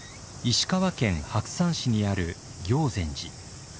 石川県白山市にある行善寺。